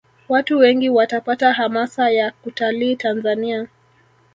Watu wengi watapata hamasa ya kutalii tanzania